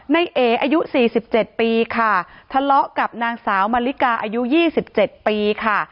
ในเออายุ๔๗ปีค่ะทะเลาะกับนางสาวมาริกาอายุ๒๗ปีค่ะ